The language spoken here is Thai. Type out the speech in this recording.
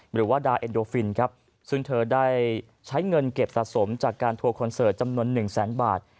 หรือว่าดาเอ็นโดฟินครับซึ่งเธอได้ใช้เงินเก็บสะสมจากการทัวร์คอนเสิร์ตจำนวนหนึ่งแสนบาท